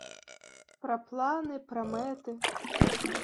Пра планы, пра мэты.